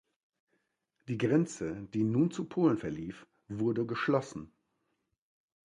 Die Grenze, die nun zu Polen verlief, wurde geschlossen.